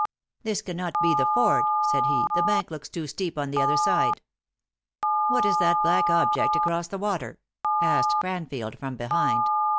"This cannot be the ford," said he; the bank looks too steep on the other side." " What is that black object across the water? " ask ed Cranfield, from behind.